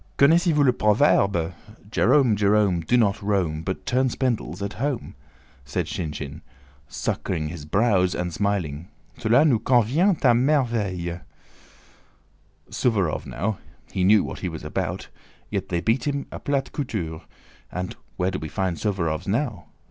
"Connaissez vous le Proverbe:* 'Jerome, Jerome, do not roam, but turn spindles at home!'?" said Shinshín, puckering his brows and smiling. "Cela nous convient à merveille.*(2) Suvórov now—he knew what he was about; yet they beat him à plate couture,*(3) and where are we to find Suvórovs now?